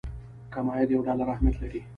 کم عاید یو ډالر اهميت لري.